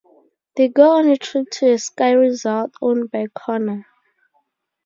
They go on a trip to a ski resort owned by Connor.